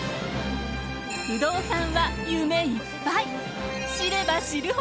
不動産は夢いっぱい。